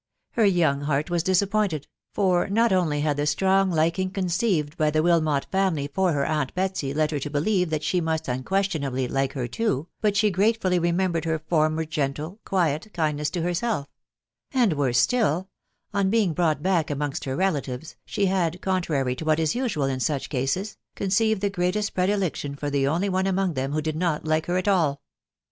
Her young heart was dis appointed; for not only had the strong liking conceived by the Wilmbt family for her aunt Betsy led her to believe that she must unquestionably like her too, but she gratefully re membered her former gentle, quiet, kindness to herself; and (worse still), on being brought back amongst her relatives, she had, contrary to what is usual in such cases, conceived the greatest predilection for the only one among them who did not like her at all.